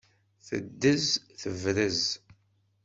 Teddez tebrez!